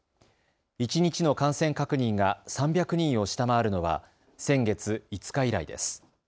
一日の感染確認が３００人を下回るのは先月５日以来です。